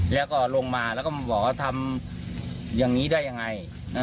แล้วก็ลงมาแล้วก็บอกว่าทำอย่างนี้ได้ยังไง